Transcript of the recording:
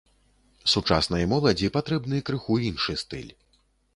Сучаснай моладзі патрэбны крыху іншы стыль.